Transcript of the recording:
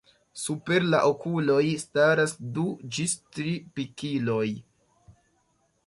Super la okuloj staras du ĝis tri pikiloj.